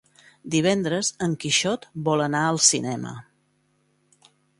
Divendres en Quixot vol anar al cinema.